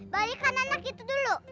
balikan anak itu dulu